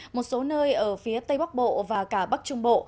một số nơi ở phía tây bắc bộ và cả bắc trung bộ